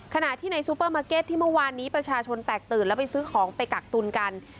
ขณะที่ในซูเปอร์มาร์เก็ตที่เมื่อวานนี้ประชาชนแตกตื่นแล้วไปซื้อของไปกักตุนกัน